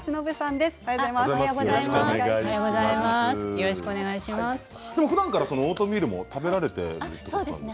でもふだんからオートミールも食べられてたんですよね。